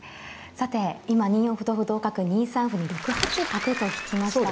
さて今２四歩同歩同角２三歩に６八角と引きました。